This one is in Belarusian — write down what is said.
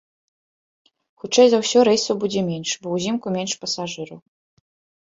Хутчэй за ўсё рэйсаў будзе менш, бо ўзімку менш пасажыраў.